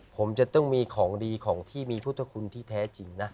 ผมจะต้องมีของดีของที่มีพุทธคุณที่แท้จริงนะ